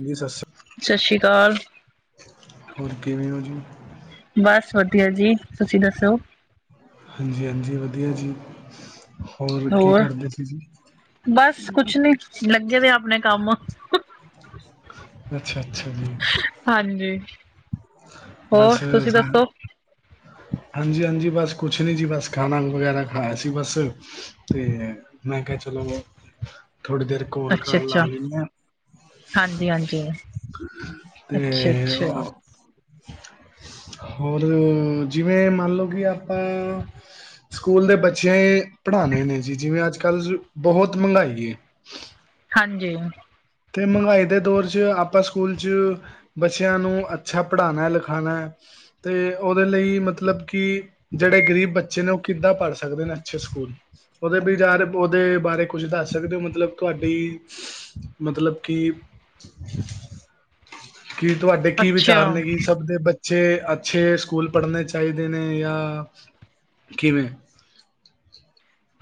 ਹਾਂਜੀ, ਸਤਿ ਸਤਿ ਸ਼੍ਰੀ ਸ੍ਰੀ ਅਕਾਲ ਅਕਾਲ ਹੋਰ ਕਿਵੇਂ ਹੋ ਜੀ? ਬਸ ਵਧੀਆ ਜੀ ਤੁਸੀਂ ਦੱਸੋ? ਹਾਂਜੀ-ਹਾਂਜੀ, ਵਧੀਆ ਜੀ, ਹੋਰ ਕੀ ਕਰਦੇ ਸੀ ਜੀ? ਬਸ ਕੁਛ ਨੀ ਲੱਗੇ ਦੇ ਆ ਆਪਣੇ ਕੰਮ। [unintelligible] [inaudible] ਅੱਛਾ-ਅੱਛਾ ਜੀ। ਹਾਂਜੀ, ਹੋਰ ਤੁਸੀਂ ਦੱਸੋ? ਹਾਂਜੀ-ਹਾਂਜੀ, ਬਸ ਕੁਛ ਨੀ ਜੀ ਬਸ ਖਾਣਾ ਵਗੈਰਾ ਖਾਇਆ ਸੀ ਬਸ ਤੇ। ਮੈਂ ਕਿਹਾ ਚਲੋ ਥੋੜ੍ਹੀ ਦੇਰ ਕੋਲ ਲਾ ਲੈਂਦੇੇ ਆ। ਹਾਂਜੀ-ਹਾਂਜੀ, ਤੇ ਅੱਛਾ-ਅੱਛਾ। ਹੋਰ, ਜਿਵੇਂ ਕਿ ਮੰਨਲਓ ਕਿ ਆਪਾਂ। ਸਕੂਲ ਚ ਬੱਚੇ ਪੜਾਉਣੇ ਨੇ ਜੀ ਜਿਵੇਂ ਅੱਜ ਕੱਲ੍ਹ ਬਹੁਤ ਮਹਿੰਗਾਈ ਹੈ। ਹਾਂਜੀ। ਅਤੇ ਮਹਿੰਗਾਈ ਦੇ ਦੌਰ 'ਚ ਆਪਾਂ ਸਕੂਲ 'ਚ। ਬੱਚਿਆਂ ਨੂੰ ਅੱਛਾ ਪੜ੍ਹਾਨਾ -ਲਿਖਾਨਾ ਹੈ, ਤੇ ਉਹਦੇ ਲਈ ਮਤਲਬ ਕਿ। ਜਿਹੜੇ ਗ਼ਰੀਬ ਬੱਚੇ ਨੇ, ਉਹ ਕਿੱਦਾਂ ਪੜ੍ਹ ਸਕਦੇ ਨੇ ਅੱਛੇ ਸਕੂਲ? ਉਹਦੇ ਵਿਚਾਰ, ਉਹਦੇ ਬਾਰੇ ਕੁਝ ਦੱਸ ਸਕਦੇ ਹੋ ਮਤਲਬ ਤੁਹਾਡੀ। ਮਤਲਬ ਕਿ [unintelligible] ਕੀ ਤੁਹਾਡੇ, ਕੀ ਅੱਛਾ ਵਿਚਾਰ ਨੇ ਕਿ ਸਭ ਦੇ ਬੱ ਅੱਛੇ- ਅੱਛੇ ਸਕੂਲ ਪੜ੍ਹਨੇ ਚਾਹੀਦੇ ਨੇ ਯਾ ਕਿਵੇਂ?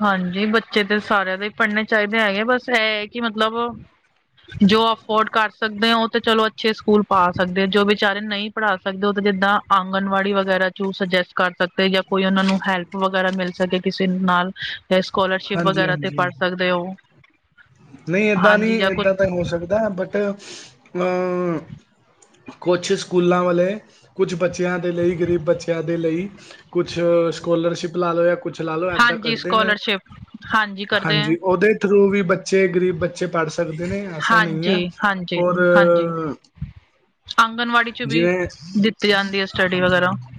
ਹਾਂਜੀ ਬੱਚੇ ਤੇ ਸਾਰਿਆਂ ਦੇ ਪੜ੍ਹਨੇ ਚਾਹੀਦੇ ਹੈਗੇ, ਬਸ ਇਹ ਹੈ ਕਿ ਮਤਲਬ ਜੋ ਅਫੋਰਡ ਕਰ ਸਕਦੇ ਆ, ਉਹ ਤਾਂ ਚਲੋ ਅੱਛੇ ਸਕੂਲ ਪਾ ਸਕਦੇ ਆ ਜੋ ਵਿਚਾਰੇ ਨਹੀਂ ਪੜ੍ਹਾ ਸਕਦੇ ਹੋ ਤੇ ਜਿੱਦਾਂ ਆਂਗਣਵਾੜੀ ਵਗੈਰਾ 'ਚ ਸੁਜੈਸਟ ਕਰ ਸਕਦੇ ਯਾ ਕੋਈ ਉਹਨਾਂ ਨੂੰ ਹੈਲਪ ਵਗੈਰਾ ਮਿਲ ਸਕੇ ਕਿਸੇ ਨਾਲ, ਤੇ ਸਕੋਲਰਸ਼ਿਪ ਹਾਂਜੀ ਵਗੈਰਾ ਤੇ ਹਾਂਜੀ ਪੜ ਸਕਦੇ ਓ। ਨਹੀਂ ਏਦਾਂ- ਨਹੀਂ ਏਦਾਂ, ਤਾਂ ਹੀ ਹੋ ਸਕਦਾ ਬਟ ਅ-ਮ ਕੁਛ ਸਕੂਲਾਂ ਵਾਲੇ, ਕੁਛ ਬੱਚਿਆਂ ਦੇ ਲਈ ਗਰੀਬ ਬੱਚਿਆਂ ਦੇ ਲਈ ਕੁਛ ਸਕੋਲਰਸ਼ਿਪ ਲਾਲੋ ਕੁਛ ਲਾ- ਲੋ ਏਦਾਂ ਹਾਂਜੀ ਕੱਢਦੇ ਨੇ, ਸਕੋਲਰਸ਼ਿਪ ਕਰਦੇ ਹੈ ਹਾਂਜੀ ਉਹਦੇ ਥਰੂ ਵੀ ਬੱ ਗ਼ਰੀਬ ਬੱਚੇ ਪੜ੍ਹ ਸਕਦੇ ਨੇ, ਐਸਾ ਨਹੀਂ ਐ ਹਾਂਜੀ ਔਰ ਆਂਗਨਵਾੜੀ 'ਚ ਵੀ, ਜਿਵੇਂ ਦਿੱਤੀ ਜਾਂਦੀ ਹੈ ਸਟੱਡੀ ਹਾਂਜੀ ਵਗੈਰਾ। ਹਾਂਜੀ-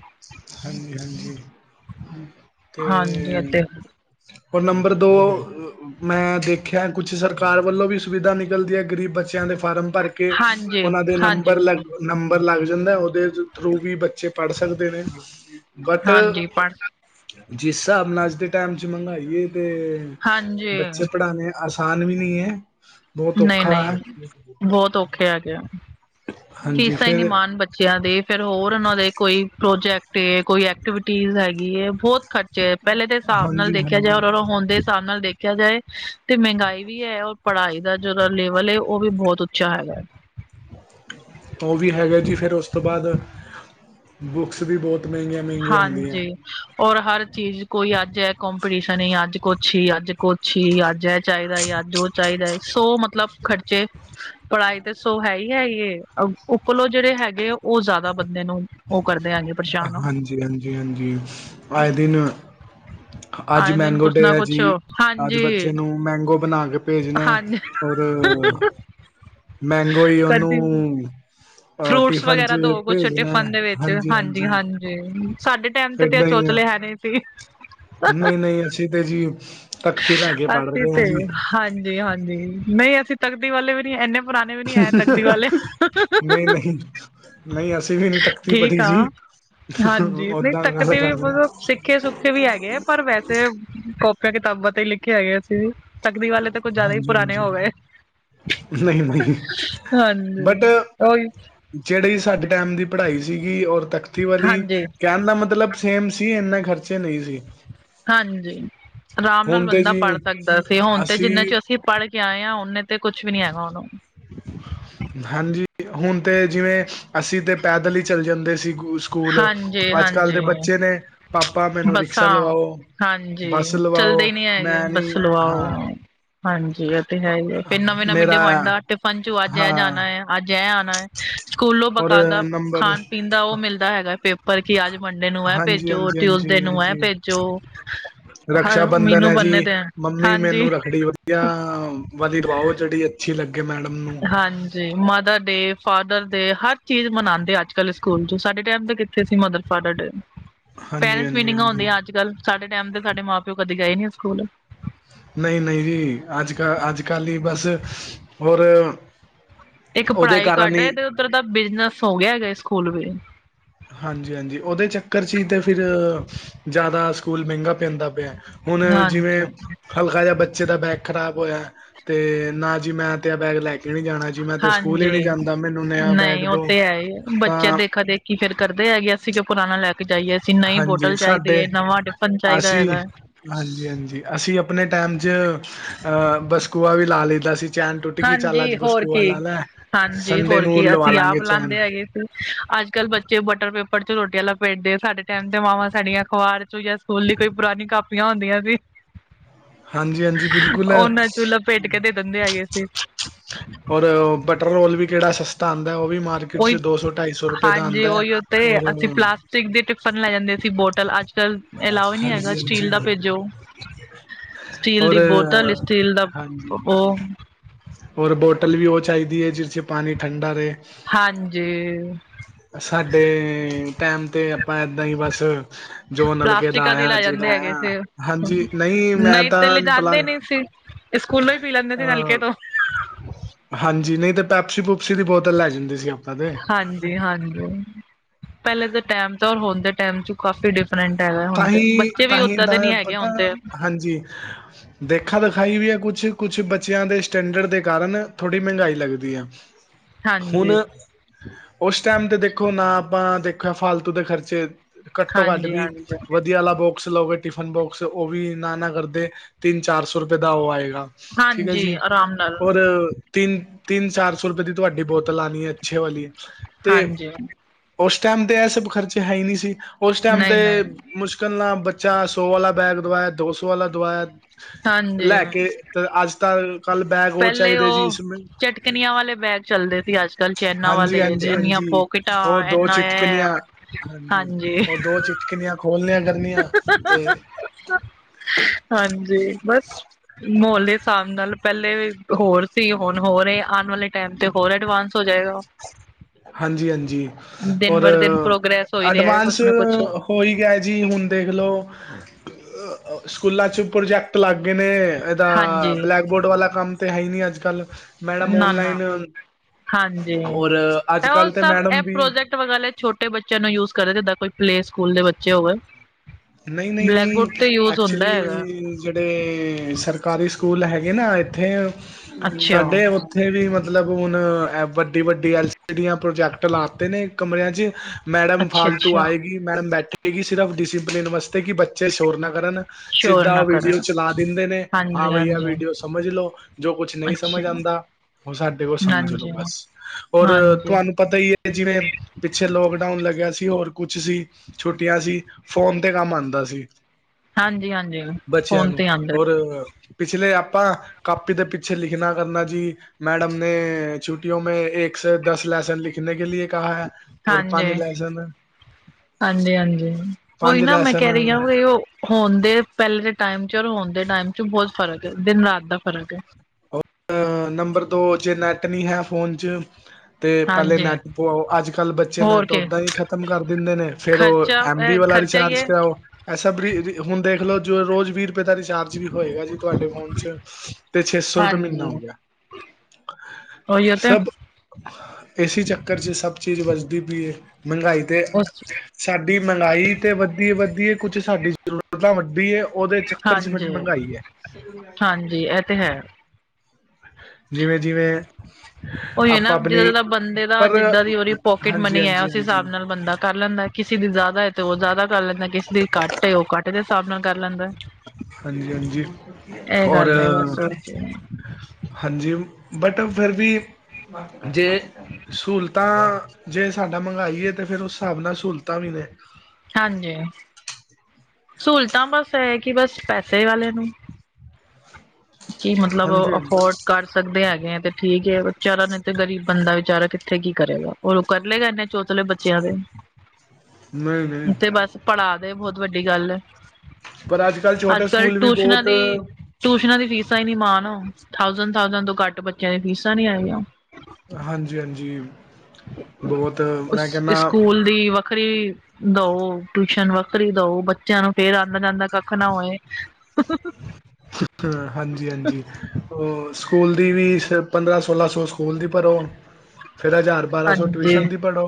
ਹਾਂਜੀ ਹਾਂਜੀ ਤੇ ਅਤੇ ਔਰ ਨੰਬਰ ਦੋ ਮੈਂ- ਦੇ ਖੈਰ ਕੁਛ ਸਰਕਾਰ ਵੱਲੋਂ ਵੀ ਸੁਵਿਧਾ ਨਿਕਲਦੀ ਹੈ ਗਰੀਬ ਬੱਚਿਆਂ ਦੇ ਫਾਰਮ ਭਰ ਕੇ ਕੇ ਹਾਂਜੀ ਉਹਨਾਂ ਦੇ ਹਾਂਜੀ ਨੰਬਰ ਲੱਗ, ਨੰਬਰ ਲੱਗ ਜਾਂਦਾ ਉਹਦੇ ਥਰੂ ਵੀ ਬੱਚੇ ਪੜ੍ਹ ਸਕਦੇ ਨੇ, ਬਟ ਹਾਂਜੀ ਪੜ੍ਹ ਜਿਸ ਹਿਸਾਬ ਨਾਲ ਅੱਜ ਦੇ ਟਾਈਮ 'ਚ ਮਹਿੰਗਾਈ ਤੇ ਹਾਂਜੀ ਬੱਚੇ ਪੜ੍ਹਾਉਣੇ ਆਸਾਨ ਵੀ ਨਹੀਂ ਹੈ, ਬਹੁਤ ਨਹੀਂ ਔਖਾ ਹੈ। ਨਹੀਂ ਬਹੁਤ ਔਖੇ ਹੈਗੇ ਆ ਹਾਂਜੀ ਫੀਸਾਂ ਹੀ ਨੀ ਫਿਰ ਮਾਨ ਬੱ ਬੱਚਿਆਂ ਦੇ, ਫਿਰ ਹੋਰ ਉਹਨਾਂ ਦੇ ਕੋਈ ਪ੍ਰੋਜੈਕਟ ਏ, ਕੋਈ ਐਕਟੀਵਿਟੀ ਹੈਗੀ ਏ ਬਹੁਤ ਖਰ 'ਚ ਪਹਿਲੇ ਦੇ ਹਿਸਾਬ ਨਾਲ ਹਾਂਜੀ ਦੇਖਿਆ ਜਾਏ ਹਾਂਜੀ ਔਰ- ਔਰ ਹੋਂਦੇ ਹਿਸਾਬ ਨਾਲ ਦੇਖਿਆ ਜਾਏ ਤੇ ਮਹਿੰਗਾਈ ਵੀ ਹੈ ਔਰ ਪੜ੍ਹਾਈ ਦਾ ਜਿਹੜਾ ਲੇਵਲ ਹੇ, ਉਹ ਵੀ ਬਹੁਤ ਉੱਚਾ ਹੈਗਾ ਐ। [inaudible] [inaudible] ਉਹ ਵੀ ਹੈਗਾ ਜੀ ਫਿਰ ਉਸ ਤੋਂ ਬਾਅਦ ਬੁੱਕਸ ਵੀ ਬਹੁਤ ਮਹਿੰਗੀਆਂ ਮੇ ਹਾਂਜੀ ਔਰ ਹਰ ਚੀਜ਼ ਕੋਈ ਅੱਜ ਏ ਕਪੀਟੀਸ਼ਨ ਏ ਅੱਜ ਕੁਛ ਹੀ ਅੱਜ ਕੁਛ ਛਿ ਅੱਜ ਇਹ ਚਾਹੀਦਾ ਈ, ਅੱਜ ਉਹ ਚਾਹੀਦਾ ਈ ਸੋ ਮਤਲਬ ਖਰਚ 'ਚ ਪੜ੍ਹਾਈ ਤੇ ਸੋ ਹੈਈ ਹੈਈ ਹੈ ਓ- ਉੱਪਰਲੋਂ ਜਿਹੜੇ ਹੈਗੇ ਉਹ ਜ਼ਿਆਦਾ ਅ ਬੰਦੇ ਨੂੰ ਉਹ ਕਰਦੇ ਹੈਗੇ ਪਰੇਸ਼ਾਨ। ਹਾਂਜੀ- ਹਾਂਜੀ -ਹਾਂਜੀ ਆਏ ਦਿਨ ਅੱਜ ਆਏ ਦਿਨ ਮੈਂਗੋ ਕੁਛ ਡੇ ਨਾ ਹੈ ਕੁਛ ਜੀ, ਅੱਜ ਬੱਚੇ ਹਾਂਜੀ ਨੂੰ ਮੈਂਗੋ ਬਣਾ ਕੇ ਭੇਜਣਾ ਹਾਂਜੀ ਔਰ ਮੈਂਗੋ ਹੀ ਕਦੀ ਉਹਨੂੰ ਫਰੂਟਸ ਟਿਫਨ ਚ ਵਗੈਰਾ ਦੋ ਕੂਛ ਭੇਜਣਾ ਹੈ। ਟਿਫਨ ਦੇ ਵਿੱਚ। 'ਚ ਹਾਂਜੀ- ਹਾਂਜੀ, ਸਾਡੇ ਟਾਈਮ ਤੇ ਐ ਏਦਾਂ ਹੀ ਆ ਚੋਚਲੇ ਹੈ ਨਹੀਂ ਸੀ। ਨਹੀਂ- ਨਹੀਂ ਅਸੀਂ ਤੇ ਜੀ, ਤਖਤੀ ਲੈ ਕੇ ਅਸੀਂ ਪੜਦੇ ਹਾਂ ਤੇ ਜੀ। ਹਾਂਜੀ -ਹਾਂਜੀ ਨਹੀਂ ਅਸੀਂ ਤਕਦੀ ਵਾਲੇ ਵੀ ਨਹੀਂ ਇੰਨੇ ਪੁਰਾਣੇ ਵੀ ਨੀ ਐ ਤਕਦੀ ਵਾਲੇ। ਨਹੀਂ- ਨਹੀਂ ਅਸੀਂ ਵੀ ਨਹੀਂ, ਤੱਖਤੀ ਪੜੀ ਠੀਕ ਆ ਸੀ। ਹਾਂਜੀ, ਨਹੀਂ ਤੱਕਤੀ ਵੀ ਮਤਲਬ ਹਾਂ। ਸਿੱਖੇ ਸੁਖੇ ਵੀ ਹੈਗੇ, ਪਰ ਵੈਸੇ ਕਾੱਪੀਆਂ- ਕਿਤਾਬਾਂ ਤੇ ਹੀ ਲਿਖੇ ਹੈਗੇ ਅਸੀਂ ਵੀ। ਤਕਦੀ ਵਾਲੇ ਤਾਂ ਕੁੱਝ ਜ਼ਿਆਦਾ ਹੀ ਹਾਂਜੀ ਪੁਰਾਣੇ ਹਾਂਜੀ ਹੋ ਗਏ। ਨਹੀਂ ਨਹੀਂ ਬਟ ਹਾਂਜੀ ਉਹੀ। ਜਿਹੜੀ ਸਾਡੇ ਟਾਈਮ ਦੀ ਪੜ੍ਹਾਈ ਸੀਗੀ, ਔਰ ਤਖ਼ਤੀ ਵਾਲੀ ਹਾਂਜੀ ਕਹਿਣ ਦਾ ਮਤਲਬ ਸੇਮ ਸੀ, ਇੰਨੇ ਖਰਚੇ ਨਹੀਂ ਸੀ। ਹਾਂਜੀ, ਆਰਾਮ ਨਾਲ ਹੁਣ ਤੇ ਬੰਦਾ ਜੀ ਪੜ੍ਹ ਸਕਦਾ ਸੀ, ਹੁਣ ਤੇ ਜਿੰਨਾ 'ਚ ਅਸੀਂ ਪੜ੍ਹ ਕੇ ਆਏ ਹਾਂ, ਉਹਨੇ ਤੇ ਕੁੱਛ ਵੀ ਨੀ ਹੈਗਾ ਹੁਣ। ਹਾਂਜੀ, ਹੁਣ ਤੇ ਜਿਵੇਂ ਅਸੀਂ ਤੇ ਪੈਦਲ ਹੀ ਚੱਲੇ ਜਾਂਦੇ ਸੀ ਸਕੂਲ, ਹਾਂਜੀ ਅੱਜ-ਕੱਲ ਦੇ ਹਾਂਜੀ ਬੱਚੇ ਨੇ, ਪਾਪਾ ਮੈਨੂੰ ਰਿਕਸ਼ਾ ਬੱਸਾਂ ਲਵਾਓ ਹਾਂਜੀ, ਬੱਸ ਚੱਲਦੇ ਲਵਾਓ ਈ ਨੀ ਹੈਗੇ ਮੈਂ ਨੀ ਬੱਸ ਲਵਾਓ ਹਾਂ ਹਾਂਜੀ, ਓ ਤੇ ਹੈ ਈ ਐ। ਫੇਰ ਨਵੇਂ ਨਵੀ ਮੇਰਾ ਡੀ ਟਿਫਨ ਚ ਅੱਜ ਐਂ ਹਾਂ ਜਾਨਾ ਐ ਅੱਜ ਐਂ ਆਨਾ ਐ। ਸੂਕੂਲੋਂ ਔਰ ਬਕਾਏਦਾ। ਨੰਬਰ ਖਾਨ ਪੀਨ ਦਾ ਓ ਮਿਲਦਾ ਹੈਗਾ ਪੇਪਰ, ਕਿ ਅੱਜ ਮੰਡੇ ਨੂੰ ਐ ਹਾਂਜੀ ਭੇਜੋ। ਹਾਂਜੀ ਹਾਂਜੀ ਟਿਉਜਡੇ ਨੂੰ ਇਹ ਹਾਂਜੀ ਭੇਜੋ। ਰਕਸ਼ਾ ਹਰ ਬੰਦਨ ਮੀਨੂੰ ਐ ਜੀ, ਬੰਨੇ ਦੇ ਮੰਮੀ ਹਾਂਜੀ ਮੇਨੂੰ ਰੱਖੜੀ [unintelligible] ਬੜੀ ਅੱਛੀ ਲੱਗ ਮੈੜਮ ਨੂੰ ਹਾਂਜੀ। ਤੇ ਮਦਰ ਡੇ, ਫਾਦਰ ਡੇ ਹਰ ਚੀਜ ਮਨਾਂਦੇ ਆ ਅੱਜ-ਕੱਲ ਸਕੂਲ ਚ ਸਾਡੇ ਟੈਮ ਤੇ ਕਿੱਥੇ ਸੀ ਮਦਰ ਫਾਦਰ ਡੇ। [inaudible] ਪੈਰੈਂਟਸ ਹਾਂਜੀ ਮੀਟਿੰਗਾਂ ਹਾਂਜੀ ਹੁੰਦੀਆਂ ਅੱਜ- ਕੱਲ, ਸਾਡੇ ਟੈਮ ਤੇ ਸਾਡੇ ਮਾਂ ਪਿਓ ਕਦੀ ਗਏ ਨੀ ਸੂਕੂਲ। ਨਈ, ਨਈ ਜੀ। ਅੱਜ-ਕੱਲ ਅੱਜ-ਕੱਲ ਈ ਬਸ ਹੋਰ। ਇੱਕ ਉਹਦੇ ਪੜ੍ਹਾਈ ਕਾਰਨ ਘੱਟ ਏ, ਹੀ ਤੇ ਉੱਦਰ ਦਾ ਬਿਜਨਸ ਹੋ ਗਿਆ ਜੇ ਸਕੂਲ ਵੀ। ਹਾਂਜੀ, ਹਾਂਜੀ ਓਦੇ ਚੱਕਰ ਚ ਈ ਤੇ ਫਿਰ, ਜਾਦਾ ਸਕੂਲ ਮਹਿੰਗਾ ਪੈਂਦਾ ਪਿਆ। ਹੁਨ ਹਾਂਜੀ ਜਿਵੇਂ ਹਲਕਾ ਜਿਹਾ ਬੱਚੇ ਦਾ ਬੈਗ ਖਰਾਬ ਹੋਏਆ, ਤੇ ਨਾ ਜੀ ਮੈਂ ਤੇ ਆ ਬੈਗ ਲੈ ਕੇ ਨਹੀਂ ਜਾਣਾ ਜੀ। ਮੈਂ ਤੇ ਸਕੂਲ ਹੀ ਨਹੀਂ ਹਾਂਜੀ, ਜਾਂਦਾ ਮੈਨੂੰ ਨਿਆ ਬੈਗ ਨਈ ਓ ਦੋ ਤੇ ਹੈ ਈ ਏ, ਤਾਂ ਬੱਚੇ ਦੇਖਾ ਦੇਖੀ। ਕੀ ਫੇਰ ਕਰਦੇ ਹੈਗੇ ਅਸੀਂ ਕਿਉ ਪੁਰਾਨਾ ਲੈ ਕੇ ਜਾਈਏ। ਤੇ ਨਈ ਹਾਂਜੀ ਬੋਟਲ ਚਾਈਦੀ ਸਾਡੇ ਏ, ਨਵਾਂ ਟਿਫਨ ਚਾਈਦਾ ਅਸੀਂ ਹੈਗਾ ਐ। ਹਾਂਜੀ ਹਾਂਜੀ ਅਸੀਂ ਅਪਨੇ ਟੈਮ ਚ, ਅ, ਬਸਕੂਆ ਵੀ ਲਾ ਲਈਦਾ ਸੀ। ਚੈਨ ਟੁੱਟ ਗੀ ਚੱਲ ਹਾਂਜੀ ਅੱਜ ਹੋਰ ਬਸਕੂਆ ਕੀ ਲਾਲੈ, ਹਾਂਜੀ ਸੰਡੇ ਹੋਰ ਨੂੰ ਕੀ ਲਵਾ ਅਸੀਂ ਲਾਂਗੇ ਆਪ ਚੈਨ। ਲਾਂਦੇ ਹੈਗੇ ਅੱਜ ਕੱਲ ਬੱਚੇ ਬਟਰ ਪੇਪਰ ਚ ਰੋਟੀਆਂ ਲਪੇਟਦੇ, ਸਾਡੇ ਟੈਮ ਤੇ ਮਾਵਾਂ ਸਾਡੀਆਂ ਅਖਬਰ। ਜੋ ਯਸ ਸਕੂਲ ਲਈ ਕੋਈ ਪੁਰਾਨੀ ਕਾਪੀਆਂ ਹੁੰਦੀਆਂ ਸੀ। ਹਾਂਜੀ, ਹਾਂਜੀ ਬਿਲਕੁਲ। ਉਹਨਾਂ ਚੋਂ ਲਪੇਟ ਕੇ ਦੇ ਦਿੰਦੇ ਹੈਗੇ ਸੀ ਓਰ, ਬਟਰ ਰੋਲ ਵੀ ਕਿਹੜਾ ਸਸਤਾ ਆਂਦੈ ਓ ਵੀ ਮ ਮਾਰਕੀਟ ਚ ਉਹੀ ਦੋ, ਸੌ ਢਾਈ ਸੌ ਰੁਪਏ ਦਾ ਆਂਦਾ ਐ ਔਰ ਸਿਕ ਦੇ ਟਿਫਨ ਲੈ ਜਾਂਦੇ ਸੀ, ਬੋਟਲ ਅੱਜ। ਕੱਲ ਅਲਾਓ ਹੀ ਨਹੀਂ ਹੈਗਾ ਹਾਂਜੀ, ਸਟੀਲ ਦਾ ਭੇਜੋ ਹਾਂਜੀ। ਸਟੀਲ ਹੋਰ ਦੀ ਬੋਤਲ ਸਟੀਲ ਦਾ ਹਾਂਜੀ, ਹਾਂਜੀ ਉਹ ਹੋਰ ਬੋਟਲ ਵੀ ਓ ਚਾਈਦੀ ਏ ਜਿਸ ਚ ਪਾਨੀ ਠੰਡਾ ਰਹੇ। ਹਾਂਜੀ। ਸਾਡੇ, ਟੈਮ ਤੇ ਆਪਾਂ ਏਦਾਂ ਈਂ ਬਸ। ਜੋ ਨਲਕੇ ਦਾ ਪਲਾਸਟਿਕਾਂ ਦੀ ਆਇਆ, ਲੈ ਜੀ ਜਾਂਦੇ ਹੈਗੇ ਲਾਇਆ ਸੀ। ਹਾਂਜੀ। ਨਹੀ ਮੈਂ ਤਾਂ ਇਹ ਸਕੂਲ ਈ ਪੀ ਲੈਂਦੇ ਸੀ ਨਲਕੇ ਅ ਤੋਂ। ਹਾਂਜੀ, ਨਈ ਤੇ ਪੈਪਸੀ ਪੂਪਸੀ ਦੀ ਬੋਤਲ ਲੈ ਜਾਂਦੇ ਸੀ ਆਪਾਂ ਤੇ। ਹਾਂਜੀ, ਹਾਂਜੀ ਪਹਿਲੇ ਦੇ ਟਾਈਮ ਤੇ ਹੁਣ ਦੇ ਟਾਈਮ ਵਿੱਚ ਕਾਫੀ ਡਿ ਟ੍ਰੇਂਡ ਹੈਗੈ। ਤਾਂਹੀ, ਤਾਂਹੀ ਤਾਂ ਪਤਾ ਹਾਂਜੀ ਦੇਖਾ ਦਖਾਈ ਵੀ ਆ ਕੁਛ, ਕੁਛ ਬੱਚੇ ਆ ਦੇ ਸਟੈਂਡੜ ਦੇ ਕਾਰਨ ਥੋੜੀ ਮਹਿੰਗਾਈ ਲੱਗਦੀ ਆ। [unintelligible] ਹਾਂਜੀ ਹੁਨ ਓਸ ਟੈਮ ਤੇ ਦੇਖੋ ਨਾ, ਆਪਾਂ ਦੇਖੋ ਫਾਲਤੂ ਦੇ ਖਰਚੇ। ਘੱਟੋ, ਘੱਟ ਹਾਂਜੀ ਵੀ ਹਾਂਜੀ ਵਧੀਆ ਵਾਲਾ ਬੋਕਸ ਲਉਗੇ ਟਿਫਨ ਬੋਕਸ ਉਹ ਵੀ ਨਾ, ਨਾ ਕਰਦੇ ਤਿੰਨ ਚਾਰ ਸੌ ਰਪਏ ਦਾ ਓਹ ਵੀ ਆਏਗਾ। ਠੀਕ ਆ ਹਾਂਜੀ ਜੀ, ਆਰਾਮ ਨਾਲ ਔਰ। ਤਿੰਨ, ਤਿੰਨ ਚਾਰ ਸੌ ਰਪੇ ਦੀ ਤੁਹਾਡੀ ਬੋਤਲ ਆਨੀ ਏ ਅੱਛੇ ਵਾਲੀ, ਤੇ ਹਾਂਜੀ ਉਸ ਟਾਈਮ ਤੇ ਐ ਸਬ ਖਰਚੇ ਹੈ ਈ ਨਹੀ ਸੀ, ਓਸ ਟਾਈਮ ਨਹੀਂ ਤੇ ਨਹੀਂ ਮੁਸ਼ਕਲ ਨਾਲ ਬੱਚਾ, ਸੌ ਵਾਲਾ ਬੈਗ ਦਵਾਇਆ ਦੋ ਸੌ ਵਾਲਾ ਦਵਾਇਆ। ਹਾਂਜੀ ਲੈ ਕੇ ਤੇ ਅੱਜ ਤਾ, ਕੱਲ ਬੈਗ ਹੋਰ ਚਾਈਦੇ ਜੀ ਚਟਕਨੀਆਂ ਵਾਲੇ ਬੈਗ ਚੱਲਦੇ ਸੀ ਅੱਜ ਕੱਲ ਚੈਨਾਂ ਹਾਂਜੀ ਵਾਲੇ ਹਾਂਜੀ ਇੰਨੀਆਂ ਹਾਂਜੀ ਪੋਕਿਟਾਂ ਉਹ ਦੋ ਐਨਾ ਚਿਟਕਨੀਆਂ ਇਹ। ਹਾਂਜੀ ਉਹ ਦੋ ਚਿਟਕਨੀਆਂ ਖੋਲਣੀਆਂ ਕਰਨੀਆਂ ਤੇ ਹਾਂਜੀ ਬਸ ਮਾਹੌਲ ਦੇ ਹਿਸਾਬ ਨਾਲ। ਪਹਿਲੇ ਹੋਰ ਸੀ, ਹੁਣ ਹੋਰ, ਆਉਣ ਵਾਲੇ ਟਾਈਮ ਤੇ ਹੋਰ ਐਡਵਾਂਸ ਹੋ, ਜਾਏਗਾ। ਹਾਂਜੀ ਹਾਂਜੀ ਦਿਨ ਹੋਰ ਬਰ ਦਿਨ ਪ੍ਰੋਗਰੈਸ ਹੋ ਹੀ ਰਿਹਾ ਹੈ ਕੁਛ ਅਡਵਾਂਸ ਨਾ ਕੁਛ ਹੋਈ ਐ ਜੀ, ਹੁਣ ਦੇਖ਼ ਲਓ? ਅ, ਸਕੂਲਾਾਂ ਚ, ਪ੍ਰੋਜੈਕਟ ਲੱਗ ਗਏ ਨੇ ਦਾ, ਹਾਂਜੀ ਬਲੈਕ ਬੋਰਡ ਵਾਲਾ ਕੰਮ ਤੇ ਹੈ ਹੀ ਨਹੀਂੀ, ਅੱਜ ਕੱਲ ਮੈਡਮ ਨਾ ਨਾ ਔਨਲਾਈਨ ਹਾਂਜੀ ਰ, ਅੱਜ ਕੱਲ ਤੇ ਮੈਡਮ ਵੀ? ਤੇ, ਉਹਨਾਂ ਨੇ ਛੋਟੇ ਬੱਚਿਆਂ ਨੂੰ ਯੂਜ ਕਰਾ, ਜਿੱਦਾਂ ਕੋਈ ਪਲੇ ਸਕੂਲ ਦੇ ਬੱਚੇ, ਹੋ ਗ ਨਹੀਂ ਨਹੀਂ ਨਹੀਂ, ਐਕਚੁਲੀ ਹੈਗਾ ਜਿਹੜੇ, ਸਰਕਾਰੀ ਸਕੂਲ ਹੈਗੇ ਨਾ ਇੱਥੇ ਅੱਛਾ ਸਾਡੇ, ਉ ਉੱਥੇ ਵੀ, ਮਤਲਬ ਹੁਣ ਵੱਡੀ ਵੱਡੀ ਐਲ ਸੀ ਪ੍ਰੋਜੈਕਟ ਲਾਤੇ ਨੇ ਕਮਰਿਆਂ, ਚ ਮੈਡਮ, ਅੱਛਾ ਫਾਲਤੂ ਅੱਛਾ ਆਏਗੀ, ਮੈਡਮ ਬੈਠੇਗੀ, ਸਿਰਫ ਡਿਸਪਲਿਨ ਵਾਸਤੇ ਕਿ ਬੱਚੇ ਸ਼ੋਰ, ਨਾ ਕਰਨ ਸ਼ੋਰ ਸਿੱਧਾ ਨਾ ਉਹ ਵੀਡੀਓ ਕਰਨ ਚਲਾ ਦਿੰਦੇ ਨੇ, ਹਾਂ ਹਾਂਜੀ ਬਈਆ ਹਾਂਜੀ ਵੀਡੀਓ ਸਮਝ ਲਓ, ਜੋ ਕੁਛ ਨਹੀਂ ਸਮਝ ਅੱਛਾ ਆਉਂਦਾ ਉਹ, ਸਾਡੇ ਕੋਲ ਸਮਝ ਲਓ ਹਾਂਜੀ ਬਸ, ਔਰ ਹਾਂਜੀ ਤੁਹਾਨੂੰ ਪਤਾ ਹੀ ਹੈ, ਜਿਵੇਂ? ਪਿੱਛੇ ਲੋਕਡਾਊਨ ਲੱਗਿਆ ਸੀ, ਹੋਰ ਕੁਛ ਸੀ ਛੁੱਟੀਆਂ ਸੀ। ਫੋਨ ਤੇ ਕੰਮ ਆਉਂਦਾ ਸੀ, ਹਾਂਜੀ ਹਾਂਜੀ ਬੱਚਿਆਂ ਫੋਨ ਨੂੰ, ਤੇ ਔਰ ਆਂਦਾ ਪਿਛਲੇ ਆਪਾਂ, ਕਾਪੀ ਦੇ ਪਿੱਛੇ ਲਿਖਣਾ ਕਰਨਾ, ਜੀ। ਮੈਡਮ ਨੇ, ਛੁਟਿਓ ਮੈਂ ਇੱਕ ਸੇ ਦਸ ਲੈਸਨ ਲਿਖਣ, ਕੇ ਲਿਏ ਕਿਹਾ ਹੈ। ਔਰ ਹਾਂਜੀ, ਪੰਜ ਲੈਸਨ ਹਾਂਜੀ ਹਾਂਜੀ ਉਹੀ ਪੰਜ ਨਾ ਮੈਂ ਕਹਿ ਰਹੀ ਹਾਂ ਲੈਸਨ ਉਹ ਹੋਣ ਦੇ, ਪਹਿਲੇ ਦੇ ਟਾਈਮ ਚ, ਔਰ ਹੋਣ ਦੇ ਟਾਈਮ ਚ ਬਹੁਤ ਫ਼ਰਕ ਦਿਨ ਰਾਤ ਦਾ ਫ਼ਰਕ ਹੈ। ਅਹ, ਨੰਬਰ ਦੋ ਜੇ ਨੈਟ ਨਹੀਂ ਹੈ, ਫੋਨ ' ਅਤੇ, ਪਹਿਲੇ ਹਾਂਜੀ, ਨੈੱਟ ਪਵਾਓ, ਅੱਜ ਕੱਲ੍ਹ ਬੱਚੇ ਹੋਰ ਨੈੱਟ ਕੀ ਉੱਦਾਂ ਹੀ ਖ਼ਤਮ ਕਰ ਦਿੰਦੇ ਨੇ, ਫਿਰ ਉਹ ਖਰਚਾ ਐਮ ਬੀ ਵਾਲਾ ਖਰਚਾ ਹੀ ਰਿਚਾਰਜ ਹੈ। ਐਸਾ ਬ ਹੁਣ ਦੇਖਲੋ, ਜੋ ਰੋਜ਼ ਵੀਹ ਰੁਪਏ, ਦਾ ਰਿਚਾਰਜ ਵੀ ਹੋਏਗਾ ਜੀ, ਤੁਹਾਡੇ ਫੋਨ ਚ ਤੇ ਛੇ ਸੌ ਮਹੀਨਾ ਹੋ ਹਾਂਜੀ, ਗਿਆ ਉਹੀਓ ਤੇ ਸਚ ਇਸੇ ਚੱਕਰ 'ਚ, ਸਭ ਚੀਜ਼ ਵਜਦੀ ਪਈ ਏ ਮਹਿੰਗਾਈ ਤੇ ਉਸ ਸਾਡੀ ਮਹਿੰਗਾਈ ਤੇ, ਵੱਧੀ ਵੱਧੀਏ ਕੁਛ ਸਾਡੀ ਜ਼ਰੂਰਤਾਂ ਵੱਡੀ ਏ ਉਹਦੇ ਚੱਕਰ ਚ ਬੜੀ ਹਾਂਜੀ, ਮਹਿੰਗਾਈ ਐ। ਹਾਂਜੀ ਤੇ ਹੈ ਜਿਵੇਂ ਜਿਵੇਂ, ਉਹੀ ਹੈ ਨਾ, ਆਪਾਂ ਜਿੱਦਾ ਆਪਣੀ ਜਿੱਦਾ ਬੰਦੇ ਦਾ ਪਰ ਜਿੱਦਾਂ ਦੀ ਉਹਦੀ ਪੋਕਿਟ ਹਾਂਜੀ ਮਨੀ ਹੈ, ਹਾਂਜੀ ਉਸ ਹਾਂਜੀ ਹਿਸਾਬ ਨਾਲ ਬੰਦਾ ਕਰ ਲੈਂਦਾ। ਕਿਸੇ ਦੀ ਜ਼ਿਆਦਾ, ਹੈ ਤੇ ਉਹ ਜ਼ਿਆਦਾ ਕਰ ਲੈਂਦਾ, ਕਿਸੇ ਦੀ ਘੱਟ ਉਹ ਕੱਟ ਦੇ ਹਿਸਾਬ ਨਾਲ, ਕਰ ਲੈਂਦਾ। ਹਾਂਜੀ ਹਾਂਜੀ ਇਹ ਔਰ ਗੱਲ ਹੈ ਬਸ ਹਾਂਜੀ, ਬਟ ਫਿਰ ਵੀ ਜੇ, ਸਹੂਲਤਾਂ ਜੇ ਸਾਬ ਮੰਹਗਾਈ ਏ ਤਾਂ, ਫੇਿਰ ਉਸ ਹਿਸਾਬ ਨਾਲ ਸਹੂਲਤਾਂ ਵੀ, ਨੇ ਹਾਂਜੀ ਸਹੂਲਤਾਂ ਬਸ ਇਹ ਕਿ, ਬਸ ਪੈਸੇ ਵਾਲੇ ਨੂੰ। ਕਿ, ਮਤਲਬ ਹਾਂਜੀ ਹਾਂਜੀ ਅਫੋਰਡ ਕਰ ਸਕਦੇ ਹੈਗੇ ਆ ਤੇ ਠੀਕ, ਵਿਚਾਰਾ ਨੇ ਤੇ ਗਰੀਬ ਬੰਦਾ ਵਿਚਾਰਾ ਕਿੱਥੇ ਕੀ ਕਰੇਗਾ। ਉਹ ਕਰ, ਲਏ ਗਏ ਤੋਂਤਲੇ, ਬੇ ਚਲੋ, ਨਹੀਂ ਉਹ ਤੇ ਨਹੀਂ ਬਸ ਪੜ੍ਹਾ ਦੇ ਬਹੁਤ ਵੱਡੀ ਗੱਲ, ਐ ਪਰ ਕੱਲ੍ਹ ਅੱਜ ਛੋਟੇ ਕੱਲ੍ਹ ਸਕੂਲ ਵੀ ਟਿਊਸ਼ਨਾਂ ਬਹੁਤ ਦੀ? ਟਿਊਸ਼ਨਾਂ ਦੀਆ ਫੀਸਾਂ ਹੀ ਨੀ ਮਾਣ, ਥੋਜਨਟ ਥੋਜਨਟ ਤੋਂ ਘੱਟ ਬੱਚਿਆਂ ਦੀ ਫੀਸਾਂ ਨੀ, ਹੈਗੀਆ। ਹਾਂਜੀ-ਹਾਜੀ ਬਹੁਤ ਮੈਂ ਕਹਿੰਣਾ ਸਕੂਲ ਦੀ ਵੱਖਰੀ ਦਓ, ਟਿਊਸ਼ਨ ਵੱਖਰੀ ਦਓ, ਬੱਚਿਆਂ ਨੂੰ ਫਿਰ ਆਉਂਦਾ ਜਾਂਦਾ ਕੱਖ ਨਾ ਹੋਏ ਹ, ਹਾਂਜੀ- ਹਾਂਜੀ ਉਹ ਸਕੂਲ ਦੀ ਵੀ ਫੀਸ, ਪੰਦਰਾਂ -ਸੋਲਾਂ ਸੌ ਸਕੂਲ ਦੀ ਪਰੋ ਫੇਰ, ਹਜ਼ਾਰ -ਬਾਰਾਂ ਸੌ ਹਾਂਜੀ ਟਿਊਸ਼ਨ ਦੀ ਭਰੋ,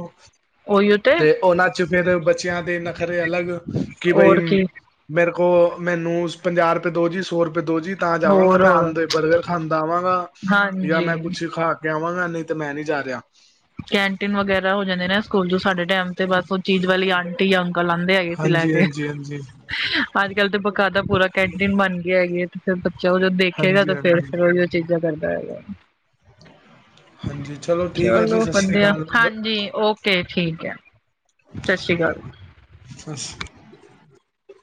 ਤੇ ਉਹਨਾ ਫੇਰ, ਬੱਚਿਆਂ ਦੇ ਨਖਰੇ ਅਲਗ ਕਿ ਬਈ,, ਹੋਰ ਕੀ ਮੇਰੇ ਕੋਲ, ਮੈਨੂੰ ਪੰਜਾਹ ਰੁਪਏ ਦੋ ਜੀ, ਸੋ ਰੁਪਏ ਦੋ ਜੀ। ਤਾਂ ਜਾਵਾਂਗਾ, ਹੋਰ ਮੈਂ ਹੋਰ ਆਂਦੇ ਹੋਏ ਬਰਗਰ ਖਾਂਦਾ ਆਵਾਂਗਾ ਯਾ ਮੈਂ ਹਾਂਜੀ ਕੁਛ ਖਾ ਕੇ ਆਵਾਂਗਾ ਨਹੀਂ ਤੇ ਮੈਂ ਨੀ ਜਾ ਰਿਹਾ। ਕੈਂਟੀਨ ਵਗੈਰਾ ਹੋ ਜਾਂਦੇ ਨਾ ਸਕੂਲ 'ਚ, ਸਾਡੇ ਟਾਈਮ ਤੇ ਬਸ ਉਹ ਚੀਜ਼ ਵਾਲੀ ਆਂਟੀ ਜਾਂ ਅੰਕਲ ਆ ਆਂਦੇ ਹੈਗੇ ਸੀ ਲੈ ਹਾਂਜੀ ਕੇ, ਹਾਂਜੀ ਹਾਂਜੀ ਅੱਜ-ਕਲ ਤੇ ਬਕਾਇਦਾ ਪੂਰਾ ਕੈਂਟੀਨ ਬਨ ਗੀ ਹੈਗੀ ਏ ਫੇਰ ਬੱਚਾ ਓ ਜੋ ਦੇਖੇਗਾ ਹਾਂਜੀ ਤਾਂ ਹਾਂਜੀ ਫੇਰ-ਫੇਰ ਓਇਓ ਚੀਜ਼ਾਂ ਕਰਦਾ ਹੈਗਾ। ਹਾਂਜੀ, ਚਲੋ ਠੀਕ ਹੈ ਜੀ, ਚਲੋ ਸਤਿ ਸ਼੍ਰੀ ਹਾਂਜੀ ਓਕੇ ਠੀਕ ਹੈ, ਸਤਿ ਸ੍ਰੀ ਅਕਾਲ। [unintelligible]